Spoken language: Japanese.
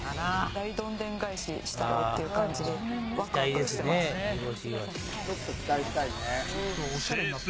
大どんでん返ししたろっていう感じで、わくわくしてます。